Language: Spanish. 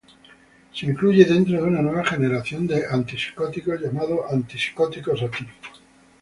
Se incluye dentro de una nueva generación de antipsicóticos, llamados antipsicóticos atípicos.